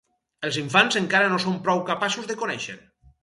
Els infants encara no són prou capaços de conèixer.